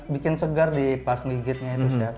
bikin segar di pas gigitnya itu chef